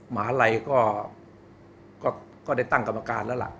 หมาลัยก็ได้ตั้งกรรมการแล้วล่ะ